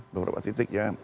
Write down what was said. beberapa titik ya